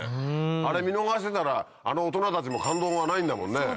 あれ見逃してたらあの大人たちも感動はないんだもんね。